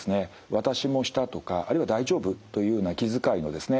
「私もした」とかあるいは「大丈夫？」というような気遣いのですね